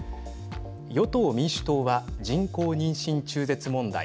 与党・民主党は人工妊娠中絶問題。